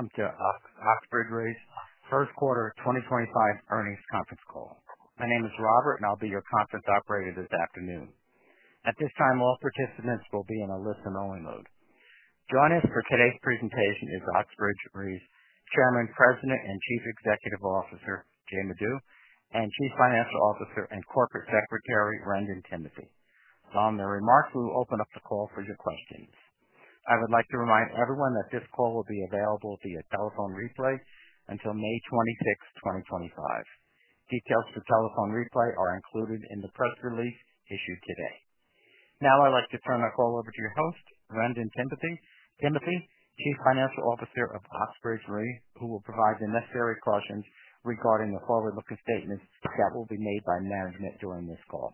I'm Joe Oxbridge Re Holdings, First Quarter 2025 Earnings Conference Call. My name is Robert, and I'll be your conference operator this afternoon. At this time, all participants will be in a listen-only mode. Joining us for today's presentation is Oxbridge Re Holdings Chairman, President, and Chief Executive Officer Jay Madhu, and Chief Financial Officer and Corporate Secretary Rendon Timothy. Following their remarks, we will open up the call for your questions. I would like to remind everyone that this call will be available via telephone replay until May 26, 2025. Details for telephone replay are included in the press release issued today. Now, I'd like to turn our call over to your host, Rendon Timothy, Chief Financial Officer of Oxbridge Re, who will provide the necessary cautions regarding the forward-looking statements that will be made by management during this call.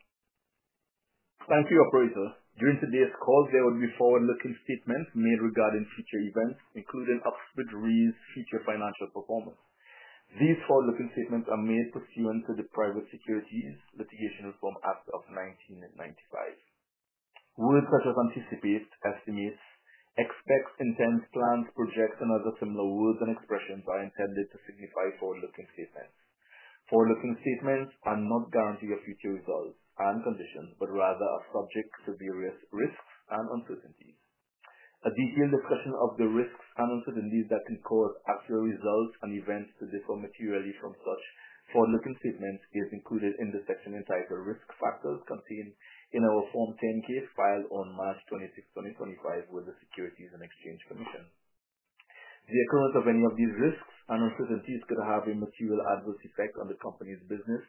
Thank you, Operator. During today's call, there will be forward-looking statements made regarding future events, including Oxbridge Re Holdings' future financial performance. These forward-looking statements are made pursuant to the Private Securities Litigation Reform Act of 1995. Words such as anticipates, estimates, expects, intents, plans, projects, and other similar words and expressions are intended to signify forward-looking statements. Forward-looking statements are not guarantees of future results and conditions, but rather are subject to various risks and uncertainties. A detailed discussion of the risks and uncertainties that can cause actual results and events to differ materially from such forward-looking statements is included in the section entitled Risk Factors contained in our Form 10-K filed on March 26, 2025, with the Securities and Exchange Commission. The occurrence of any of these risks and uncertainties could have a material adverse effect on the company's business,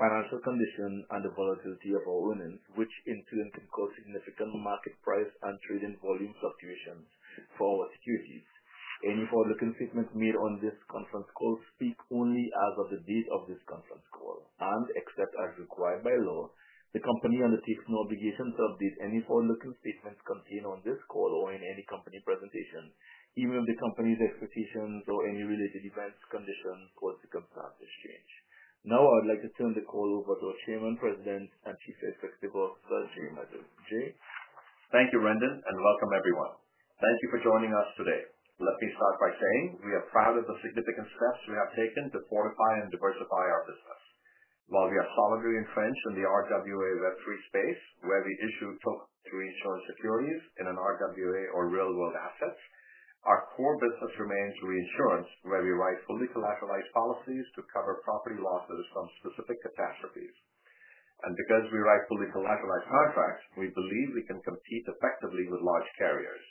financial condition, and the volatility of our earnings, which in turn can cause significant market price and trading volume fluctuations for our securities. Any forward-looking statements made on this conference call speak only as of the date of this conference call and, except as required by law, the company undertakes no obligation to update any forward-looking statements contained on this call or in any company presentation, even if the company's expectations or any related events condition cause the concerns exchanged. Now, I would like to turn the call over to our Chairman, President, and Chief Executive Officer, Jay Madhu. Jay. Thank you, Rendon, and welcome everyone. Thank you for joining us today. Let me start by saying we are proud of the significant steps we have taken to fortify and diversify our business. While we are solidly entrenched in the RWA Web3 space, where we issue token reinsurance securities in an RWA or real-world asset, our core business remains reinsurance, where we rightfully collateralize policies to cover property losses from specific catastrophes. Because we write fully collateralized contracts, we believe we can compete effectively with large carriers.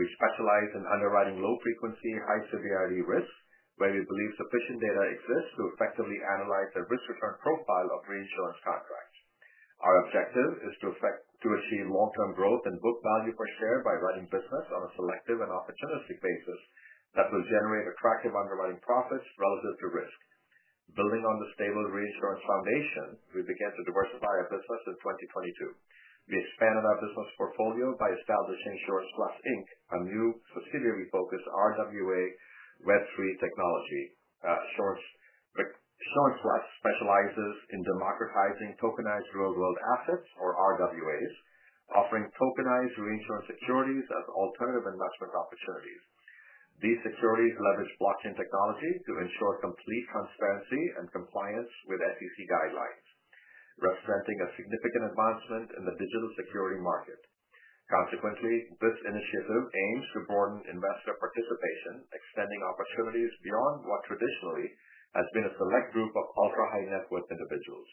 We specialize in underwriting low-frequency, high-severity risks, where we believe sufficient data exists to effectively analyze the risk-return profile of reinsurance contracts. Our objective is to achieve long-term growth and book value per share by running business on a selective and opportunistic basis that will generate attractive underwriting profits relative to risk. Building on the stable reinsurance foundation, we began to diversify our business in 2022. We expanded our business portfolio by establishing Assurance Plus, a new, subsidiary-focused RWA Web3 technology. SurancePlus specializes in democratizing tokenized real-world assets, or RWAs, offering tokenized reinsurance securities as alternative investment opportunities. These securities leverage blockchain technology to ensure complete transparency and compliance with SEC guidelines, representing a significant advancement in the digital security market. Consequently, this initiative aims to broaden investor participation, extending opportunities beyond what traditionally has been a select group of ultra-high-net-worth individuals.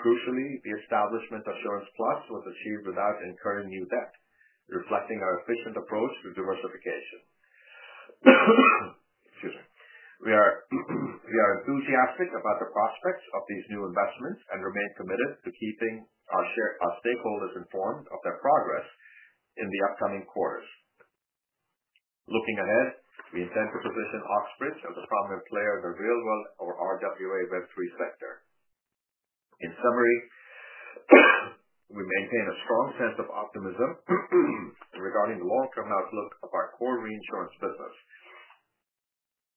Crucially, the establishment of SurancePlus was achieved without incurring new debt, reflecting our efficient approach to diversification. We are enthusiastic about the prospects of these new investments and remain committed to keeping our stakeholders informed of their progress in the upcoming quarters. Looking ahead, we intend to position Oxbridge as a prominent player in the real-world or RWA Web3 sector. In summary, we maintain a strong sense of optimism regarding the long-term outlook of our core reinsurance business,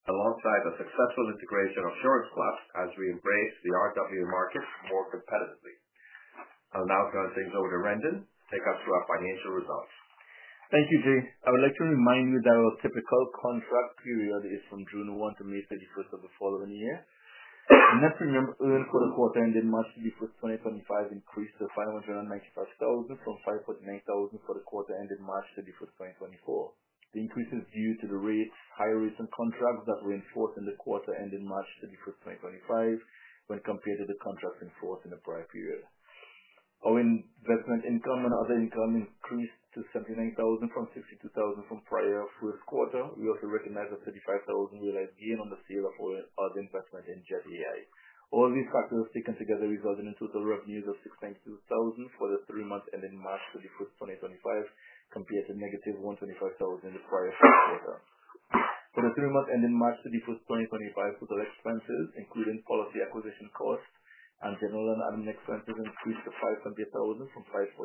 alongside the successful integration of SurancePlus as we embrace the RWA market more competitively. I'll now turn things over to Rendon to take us through our financial results. Thank you, Jay. I would like to remind you that our typical contract period is from June 1 to May 31 of the following year. Net premium earned for the quarter ended March 31, 2025, increased to $595,000 from $549,000 for the quarter ended March 31, 2024. The increase is due to the higher recent contracts that were enforced in the quarter ended March 31, 2025, when compared to the contracts enforced in the prior period. Our investment income and other income increased to $79,000 from $62,000 from prior first quarter. We also recognize a $35,000 realized gain on the sale of other investment in Jet.AI. All these factors are taken together, resulting in total revenues of $692,000 for the three months ended March 31, 2025, compared to negative $125,000 in the prior first quarter. For the three months ended March 31, 2025, total expenses, including policy acquisition costs and general and admin expenses, increased to $520,000 from $548,000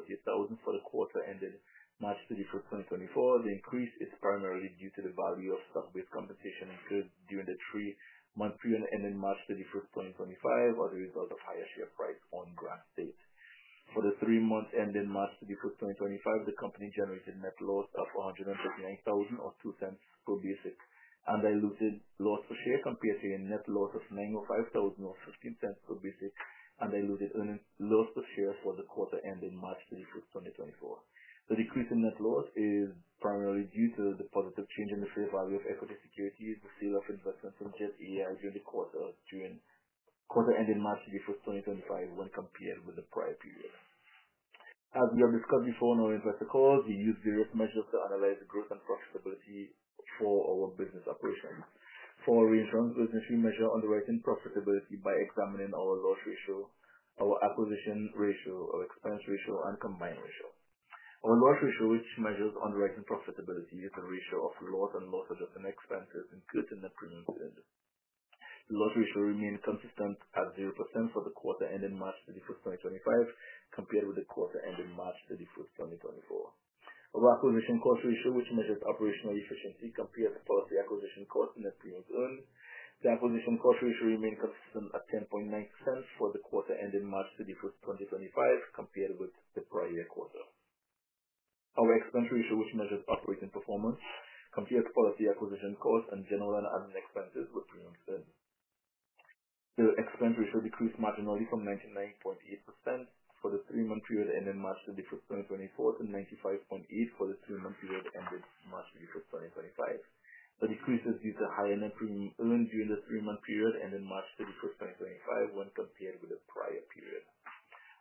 for the quarter ended March 31, 2024. The increase is primarily due to the value of stock-based compensation incurred during the three months pre- and ended March 31, 2025, as a result of higher share price on grant date. For the three months ended March 31, 2025, the company generated net loss of $139,000 or $0.02 per basic undiluted loss per share compared to a net loss of $905,000 or $0.15 per basic undiluted earnings loss per share for the quarter ended March 31, 2024. The decrease in net loss is primarily due to the positive change in the fair value of equity securities and the sale of investments in Jet.AI during the quarter ended March 31, 2025, when compared with the prior period. As we have discussed before in our investor calls, we use various measures to analyze the growth and profitability for our business operations. For our reinsurance business, we measure underwriting profitability by examining our loss ratio, our acquisition ratio, our expense ratio, and combined ratio. Our loss ratio, which measures underwriting profitability, is a ratio of loss and loss-adjusted expenses incurred in the premium period. The loss ratio remained consistent at 0% for the quarter ended March 31, 2025, compared with the quarter ended March 31, 2024. Our acquisition cost ratio, which measures operational efficiency, compared to policy acquisition costs in the premium earned, the acquisition cost ratio remained consistent at 10.9% for the quarter ended March 31, 2025, compared with the prior quarter. Our expense ratio, which measures operating performance, compared to policy acquisition costs and general and admin expenses with premium earned, the expense ratio decreased marginally from 99.8% for the three-month period ended March 31, 2024, to 95.8% for the three-month period ended March 31, 2025. The decrease is due to higher net premium earned during the three-month period ended March 31, 2025, when compared with the prior period.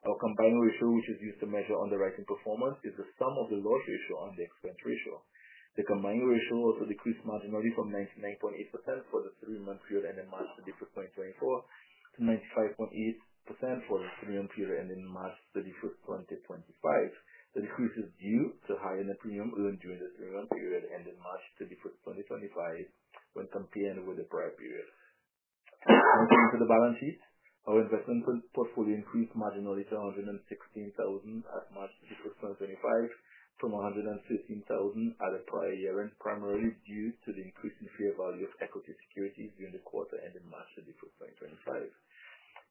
Our combined ratio, which is used to measure underwriting performance, is the sum of the loss ratio and the expense ratio. The combined ratio also decreased marginally from 99.8% for the three-month period ended March 31, 2024, to 95.8% for the three-month period ended March 31, 2025. The decrease is due to higher net premium earned during the three-month period ended March 31, 2025, when compared with the prior period. Looking into the balance sheet, our investment portfolio increased marginally to $116,000 at March 31, 2025, from $115,000 at the prior year, primarily due to the increase in fair value of equity securities during the quarter ended March 31, 2025.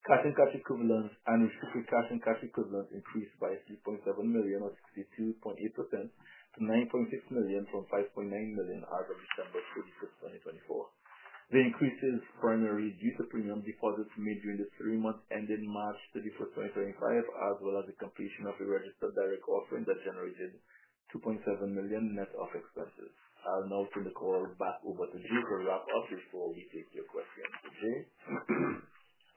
Cash and cash equivalents and restricted cash and cash equivalents increased by $3.7 million, or 62.8%, to $9.6 million from $5.9 million as of December 31, 2024. The increase is primarily due to premium deposits made during the three-month ended March 31, 2025, as well as the completion of a registered direct offering that generated $2.7 million net of expenses. I'll now turn the call back over to Jay to wrap up before we take your questions. Jay.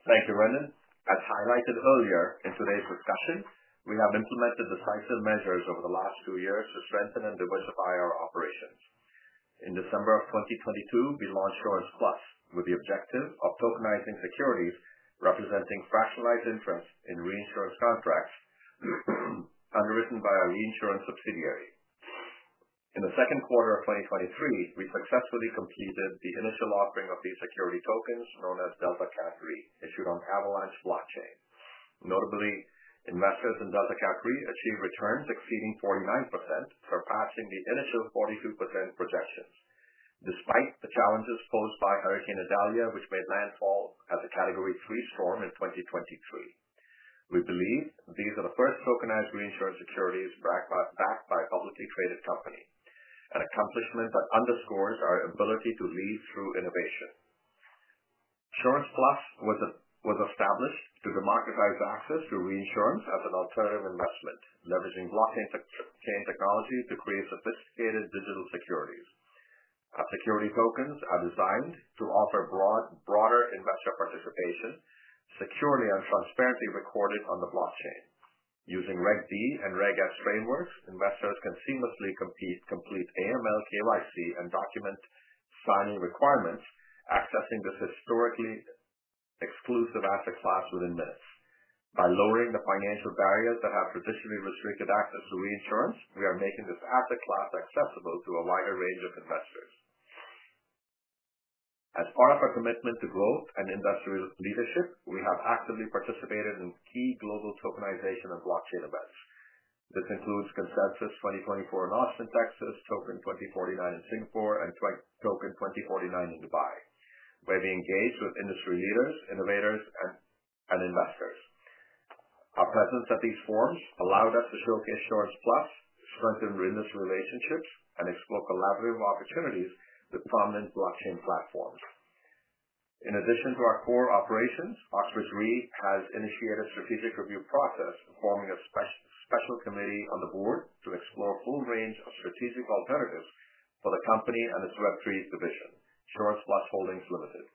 Thank you, Rendon. As highlighted earlier in today's discussion, we have implemented decisive measures over the last two years to strengthen and diversify our operations. In December of 2022, we launched SurancePlus with the objective of tokenizing securities representing fractionalized interest in reinsurance contracts underwritten by a reinsurance subsidiary. In the second quarter of 2023, we successfully completed the initial offering of these security tokens known as DeltaCat Re, issued on Avalanche Blockchain. Notably, investors in DeltaCat Re achieved returns exceeding 49%, surpassing the initial 42% projections, despite the challenges posed by Hurricane Idalia, which made landfall as a Category 3 storm in 2023. We believe these are the first tokenized reinsurance securities backed by a publicly traded company, an accomplishment that underscores our ability to lead through innovation. SurancePlus was established to democratize access to reinsurance as an alternative investment, leveraging blockchain technology to create sophisticated digital securities. Our security tokens are designed to offer broader investor participation, securely and transparently recorded on the blockchain. Using Reg D and Reg S frameworks, investors can seamlessly complete AML, KYC, and document signing requirements, accessing this historically exclusive asset class within minutes. By lowering the financial barriers that have traditionally restricted access to reinsurance, we are making this asset class accessible to a wider range of investors. As part of our commitment to growth and industry leadership, we have actively participated in key global tokenization and blockchain events. This includes Consensus 2024 in Austin, Texas, Token2049 in Singapore, and Token2049 in Dubai, where we engage with industry leaders, innovators, and investors. Our presence at these forums allowed us to showcase SurancePlus, strengthen industry relationships, and explore collaborative opportunities with prominent blockchain platforms. In addition to our core operations, Oxbridge Re Holdings has initiated a strategic review process, forming a special committee on the board to explore a full range of strategic alternatives for the company and its Web3 division, SurancePlus Holdings Limited.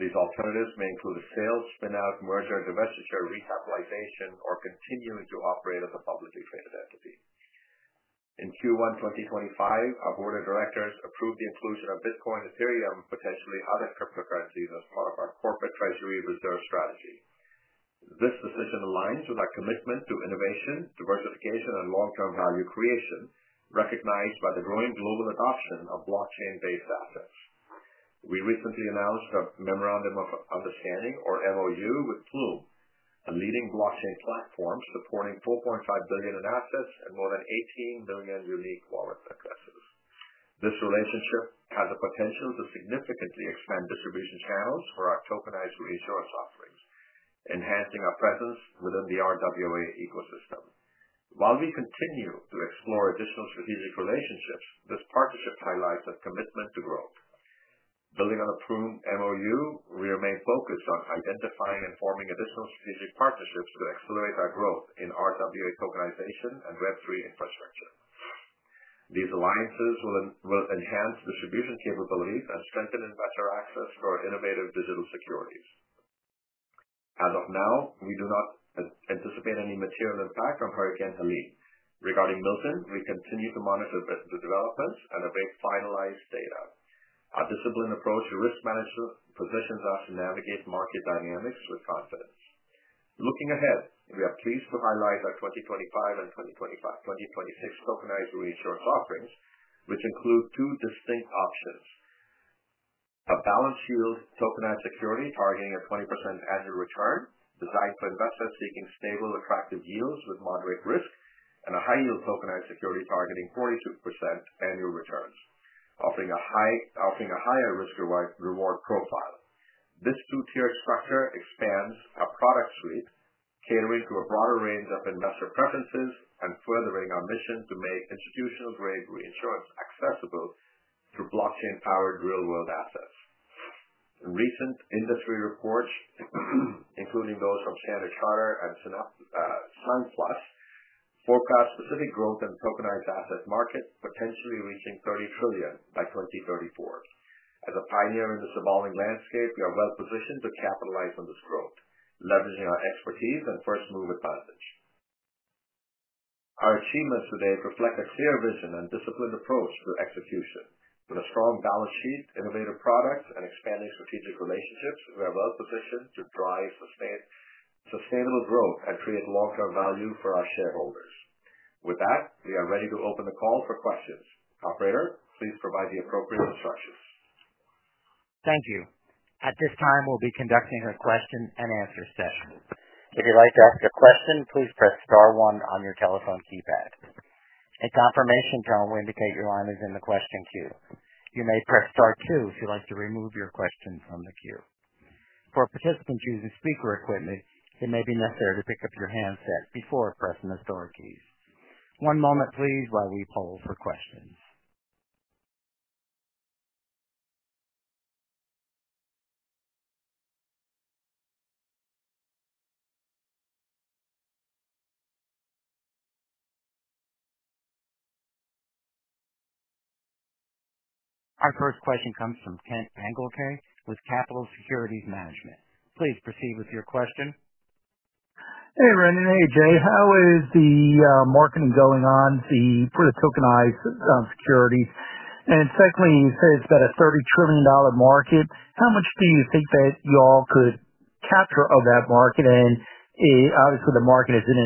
These alternatives may include a sale, spin-out, merger, divestiture, recapitalization, or continuing to operate as a publicly traded entity. In Q1 2025, our board of directors approved the inclusion of Bitcoin, Ethereum, and potentially other cryptocurrencies as part of our corporate treasury reserve strategy. This decision aligns with our commitment to innovation, diversification, and long-term value creation, recognized by the growing global adoption of blockchain-based assets. We recently announced a memorandum of understanding, or MOU, with Plume, a leading blockchain platform supporting $4.5 billion in assets and more than 18 million unique wallet addresses. This relationship has the potential to significantly expand distribution channels for our tokenized reinsurance offerings, enhancing our presence within the RWA ecosystem. While we continue to explore additional strategic relationships, this partnership highlights our commitment to growth. Building on the Plume MOU, we remain focused on identifying and forming additional strategic partnerships to accelerate our growth in RWA tokenization and Web3 infrastructure. These alliances will enhance distribution capabilities and strengthen investor access for innovative digital securities. As of now, we do not anticipate any material impact from Hurricane Helene. Regarding Milton, we continue to monitor developments and await finalized data. Our disciplined approach to risk management positions us to navigate market dynamics with confidence. Looking ahead, we are pleased to highlight our 2025 and 2026 tokenized reinsurance offerings, which include two distinct options: a balanced yield tokenized security targeting a 20% annual return, designed for investors seeking stable, attractive yields with moderate risk, and a high-yield tokenized security targeting 42% annual returns, offering a higher risk-reward profile. This two-tiered structure expands our product suite, catering to a broader range of investor preferences and furthering our mission to make institutional-grade reinsurance accessible through blockchain-powered real-world assets. Recent industry reports, including those from Standard Chartered and Sunplus, forecast specific growth in the tokenized asset market, potentially reaching $30 trillion by 2034. As a pioneer in this evolving landscape, we are well-positioned to capitalize on this growth, leveraging our expertise and first-mover advantage. Our achievements today reflect a clear vision and disciplined approach to execution. With a strong balance sheet, innovative products, and expanding strategic relationships, we are well-positioned to drive sustainable growth and create long-term value for our shareholders. With that, we are ready to open the call for questions. Operator, please provide the appropriate instructions. Thank you. At this time, we'll be conducting a question-and-answer session. If you'd like to ask a question, please press Star 1 on your telephone keypad. A confirmation tone will indicate your line is in the question queue. You may press Star 2 if you'd like to remove your question from the queue. For participants using speaker equipment, it may be necessary to pick up your handset before pressing the Star keys. One moment, please, while we poll for questions. Our first question comes from Kent Engelke with Capitol Securities Management. Please proceed with your question. Hey, Wrendon. Hey, Jay. How is the marketing going on for the tokenized securities? Secondly, you said it's about a $30 trillion market. How much do you think that you all could capture of that market? Obviously, the market is in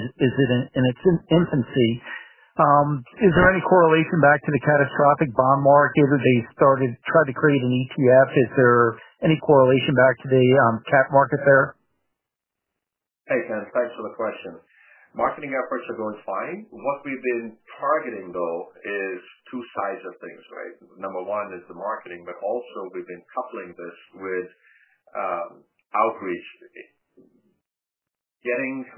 its infancy. Is there any correlation back to the catastrophic bond market? They started trying to create an ETF. Is there any correlation back to the cat market there? Hey, Ken. Thanks for the question. Marketing efforts are going fine. What we've been targeting, though, is two sides of things, right? Number one is the marketing, but also we've been coupling this with outreach.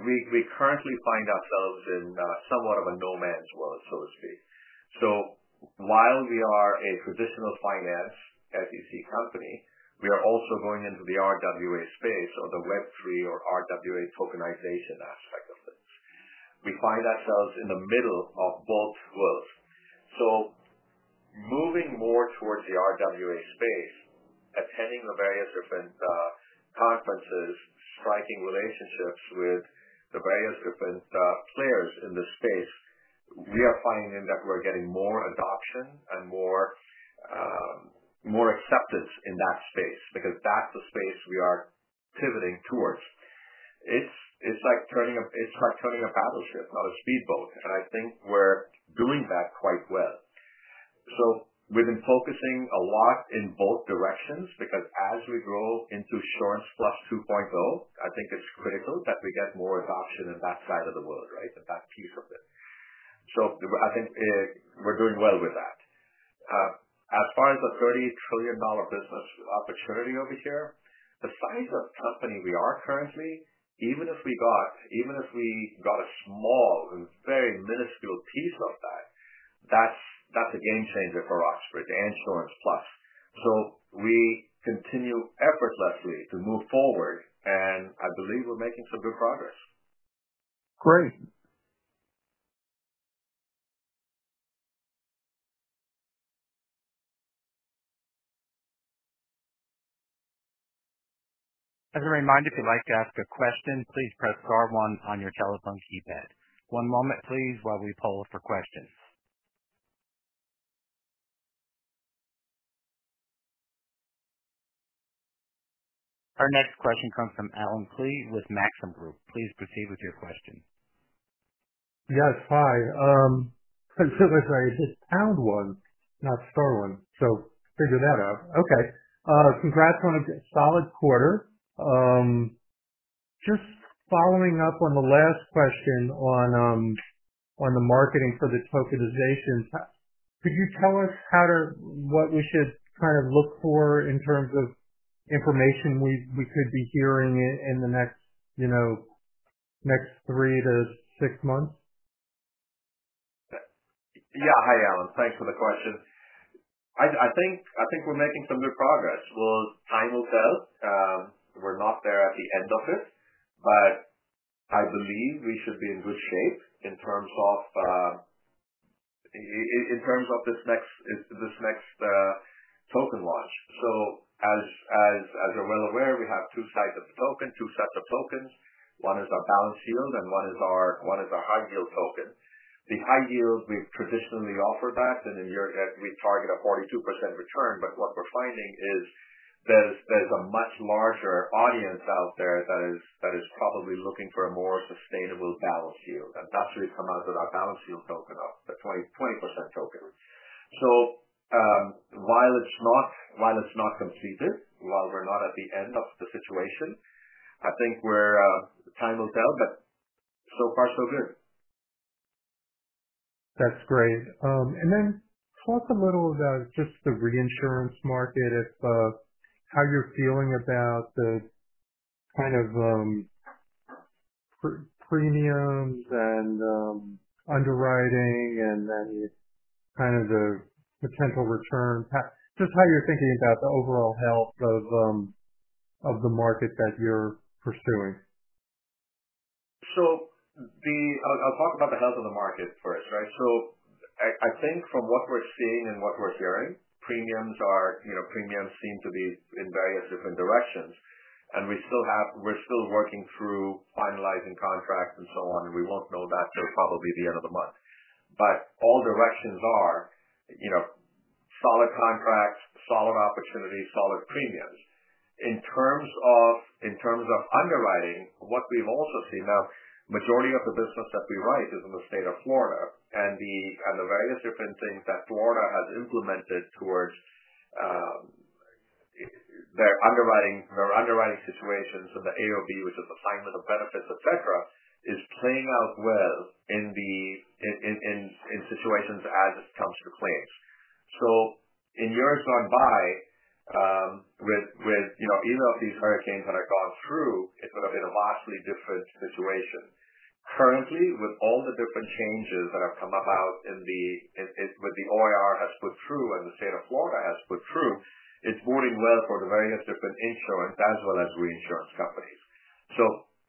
We currently find ourselves in somewhat of a no-man's world, so to speak. While we are a traditional finance, as you see, company, we are also going into the RWA space, or the Web3, or RWA tokenization aspect of things. We find ourselves in the middle of both worlds. Moving more towards the RWA space, attending the various different conferences, striking relationships with the various different players in this space, we are finding that we're getting more adoption and more acceptance in that space because that's the space we are pivoting towards. It's like turning a battleship, not a speedboat, and I think we're doing that quite well. We've been focusing a lot in both directions because as we grow into SurancePlus 2.0, I think it's critical that we get more adoption in that side of the world, right, in that piece of it. I think we're doing well with that. As far as the $30 trillion business opportunity over here, the size of company we are currently, even if we got a small, very minuscule piece of that, that's a game changer for Oxbridge and SurancePlus. We continue effortlessly to move forward, and I believe we're making some good progress. Great. As a reminder, if you'd like to ask a question, please press Star one on your telephone keypad. One moment, please, while we poll for questions. Our next question comes from Allen Klee with Maxim Group. Please proceed with your question. Yes, hi. I'm so sorry. It's a pound one, not a star one, so figure that out. Okay. Congrats on a solid quarter. Just following up on the last question on the marketing for the tokenization, could you tell us what we should kind of look for in terms of information we could be hearing in the next three to six months? Yeah. Hi, Allen. Thanks for the question. I think we're making some good progress. Time will tell. We're not there at the end of it, but I believe we should be in good shape in terms of this next token launch. As you're well aware, we have two sides of the token, two sets of tokens. One is our balanced yield, and one is our high-yield token. The high-yield, we've traditionally offered that, and we target a 42% return, but what we're finding is there's a much larger audience out there that is probably looking for a more sustainable balanced yield. That's where we've come out with our balanced yield token of the 20% token. While it's not completed, while we're not at the end of the situation, I think time will tell, but so far, so good. That's great. Talk a little about just the reinsurance market, how you're feeling about the kind of premiums and underwriting and kind of the potential return, just how you're thinking about the overall health of the market that you're pursuing? I'll talk about the health of the market first, right? I think from what we're seeing and what we're hearing, premiums seem to be in various different directions, and we're still working through finalizing contracts and so on, and we won't know that till probably the end of the month. All directions are solid contracts, solid opportunities, solid premiums. In terms of underwriting, what we've also seen now, the majority of the business that we write is in the State of Florida and the various different things that Florida has implemented towards their underwriting situations and the AOB, which is assignment of benefits, etc., is playing out well in situations as it comes to claims. In years gone by, even if these hurricanes had gone through, it would have been a vastly different situation. Currently, with all the different changes that have come about, what the OIR has put through and the State of Florida has put through, it's boding well for the various different insurance as well as reinsurance companies.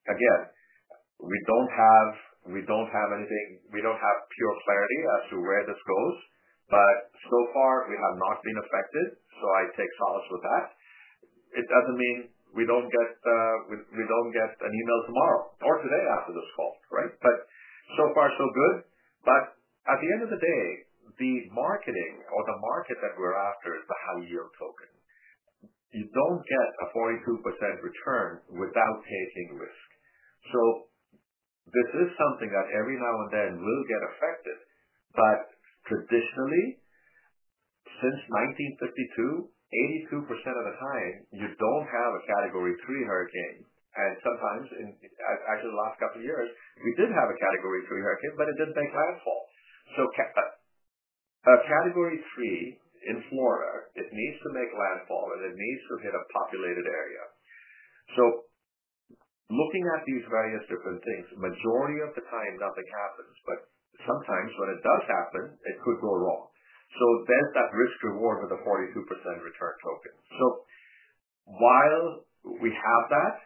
Again, we don't have anything, we don't have pure clarity as to where this goes, but so far, we have not been affected, so I take solace with that. It doesn't mean we don't get an email tomorrow or today after this call, right? So far, so good. At the end of the day, the marketing or the market that we're after is the high-yield token. You don't get a 42% return without taking risk. This is something that every now and then will get affected, but traditionally, since 1952, 82% of the time, you don't have a category three hurricane. Sometimes, actually, the last couple of years, we did have a category three hurricane, but it did not make landfall. A category three in Florida needs to make landfall, and it needs to hit a populated area. Looking at these various different things, the majority of the time, nothing happens, but sometimes when it does happen, it could go wrong. There is that risk-reward with the 42% return token. While we have that,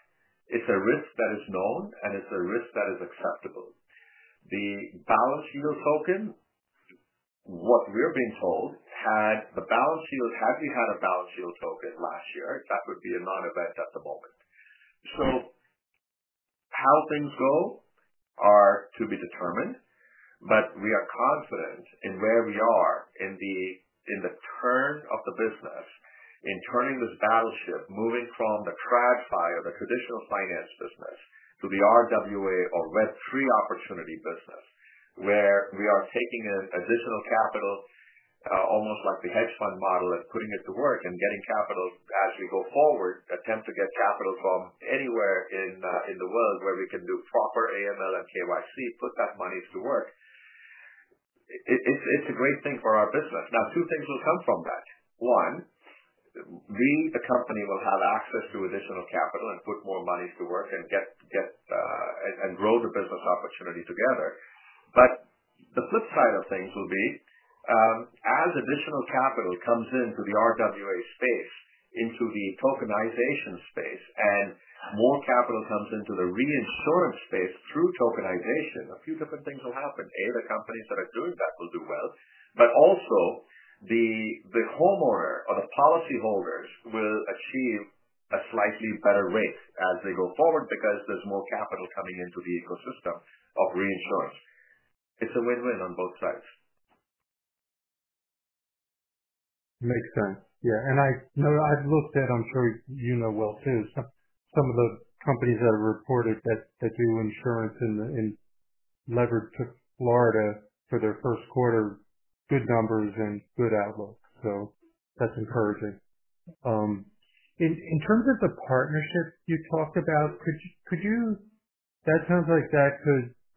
it is a risk that is known, and it is a risk that is acceptable. The balanced yield token, what we are being told, had we had a balanced yield token last year, that would be a non-event at the moment. How things go are to be determined, but we are confident in where we are in the turn of the business, in turning this battleship, moving from the tradfi, the traditional finance business, to the RWA or Web3 opportunity business, where we are taking additional capital, almost like the hedge fund model, and putting it to work and getting capital as we go forward, attempt to get capital from anywhere in the world where we can do proper AML and KYC, put that money to work. It's a great thing for our business. Now, two things will come from that. One, we, the company, will have access to additional capital and put more money to work and grow the business opportunity together. The flip side of things will be, as additional capital comes into the RWA space, into the tokenization space, and more capital comes into the reinsurance space through tokenization, a few different things will happen. A, the companies that are doing that will do well, but also the homeowner or the policyholders will achieve a slightly better rate as they go forward because there's more capital coming into the ecosystem of reinsurance. It's a win-win on both sides. Makes sense. Yeah. I have looked at, I am sure you know well too, some of the companies that have reported that do insurance and leverage to Florida for their first quarter, good numbers and good outlook. That is encouraging. In terms of the partnership you talked about, that sounds like that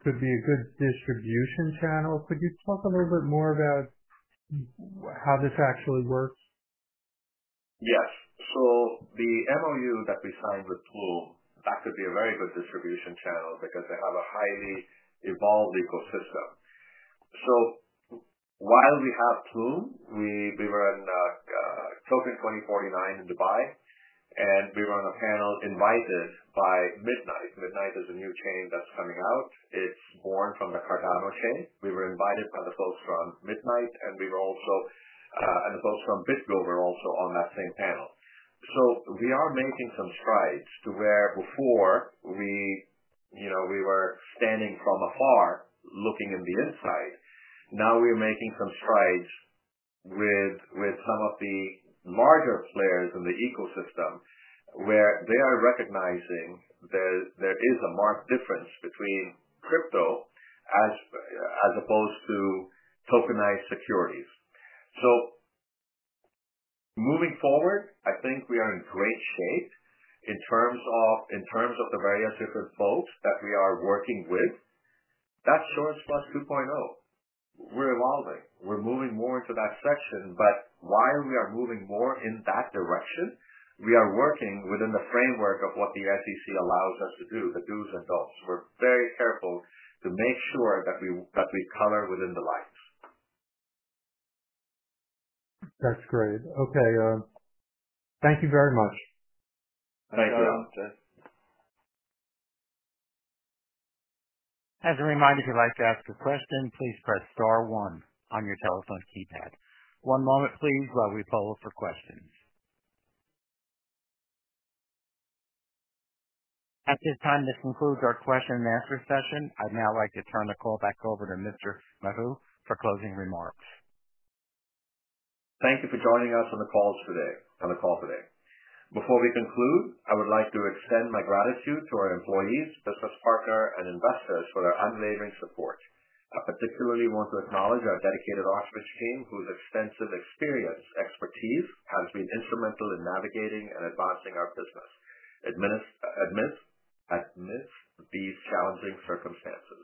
could be a good distribution channel. Could you talk a little bit more about how this actually works? Yes. The MOU that we signed with Plume, that could be a very good distribution channel because they have a highly evolved ecosystem. While we have Plume, we were in Token2049 in Dubai, and we were on a panel invited by Midnight. Midnight is a new chain that's coming out. It's born from the Cardano chain. We were invited by the folks from Midnight, and the folks from BitGo were also on that same panel. We are making some strides to where before we were standing from afar looking in the inside. Now we are making some strides with some of the larger players in the ecosystem where they are recognizing there is a marked difference between crypto as opposed to tokenized securities. Moving forward, I think we are in great shape in terms of the various different folks that we are working with. That's SurancePlus 2.0. We're evolving. We're moving more into that section, but while we are moving more in that direction, we are working within the framework of what the SEC allows us to do, the do's and don'ts. We're very careful to make sure that we color within the lines. That's great. Okay. Thank you very much. Thank you. As a reminder, if you'd like to ask a question, please press Star one on your telephone keypad. One moment, please, while we poll for questions. At this time, this concludes our question and answer session. I'd now like to turn the call back over to Mr. Madhu for closing remarks. Thank you for joining us on the call today. Before we conclude, I would like to extend my gratitude to our employees, business partners, and investors for their unwavering support. I particularly want to acknowledge our dedicated Oxbridge team, whose extensive experience and expertise have been instrumental in navigating and advancing our business amidst these challenging circumstances.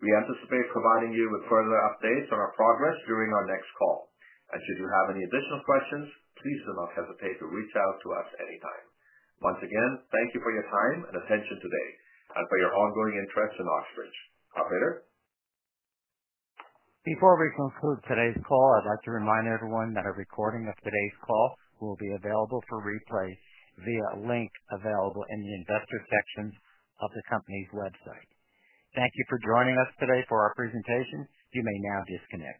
We anticipate providing you with further updates on our progress during our next call. Should you have any additional questions, please do not hesitate to reach out to us anytime. Once again, thank you for your time and attention today and for your ongoing interest in Oxbridge. Operator? Before we conclude today's call, I'd like to remind everyone that a recording of today's call will be available for replay via a link available in the investor sections of the company's website. Thank you for joining us today for our presentation. You may now disconnect.